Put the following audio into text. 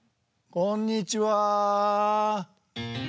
こんにちは！